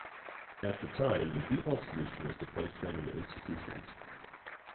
At the time the default solution was to place them in institutions.